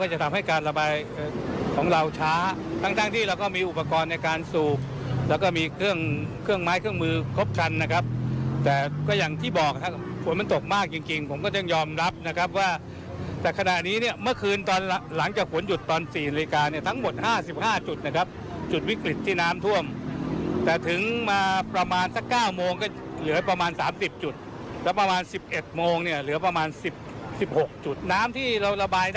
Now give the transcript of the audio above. ใช้เครื่องมือครบคันนะครับแต่ก็อย่างที่บอกถ้าผลมันตกมากจริงจริงผมก็จะยอมรับนะครับว่าแต่ขนาดนี้เนี้ยเมื่อคืนตอนหลังจากผลหยุดตอนสี่โลกาเนี้ยทั้งหมดห้าสิบห้าจุดนะครับจุดวิกฤตที่น้ำท่วมแต่ถึงมาประมาณสักเก้าโมงก็เหลือประมาณสามสิบจุดแล้วประมาณสิบเอ็ดโมงเนี้ยเหลือประมาณสิบ